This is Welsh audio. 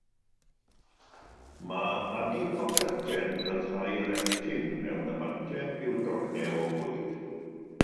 Mae adipocytau'n rhyddhau leptin mewn ymateb i'w dognau o fwyd.